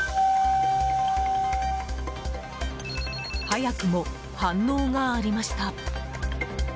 早くも反応がありました。